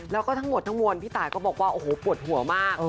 แล้วก็ทั้งหมดทั้งมวลพี่ตายก็บอกว่าโอ้โหปวดหัวมาก